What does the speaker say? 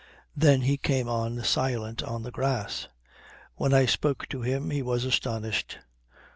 Then he came on silent on the grass. When I spoke to him he was astonished.